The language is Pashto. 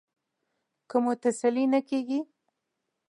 که مو تسلي نه کېږي.